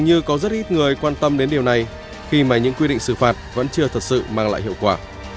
như có rất ít người quan tâm đến điều này khi mà những quy định xử phạt vẫn chưa thật sự mang lại hiệu quả